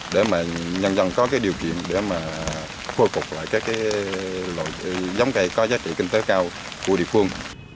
để mà nhân dân có cái điều kiện để mà khôi phục lại các cái loại giống cây có giá trị kinh tế cao của địa phương